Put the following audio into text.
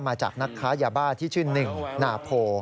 มาจากนักค้ายาบ้าที่ชื่อหนึ่งนาโพ